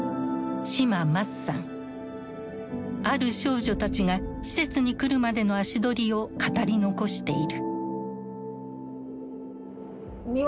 ある少女たちが施設に来るまでの足取りを語り残している。